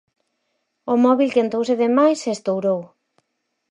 O móbil quentouse de máis e estourou.